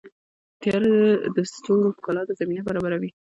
• تیاره د ستورو ښکلا ته زمینه برابروي.